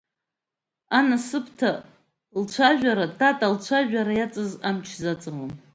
Анасыԥда лцәажәара Тата лцәажәара иаҵаз амч заҵалом.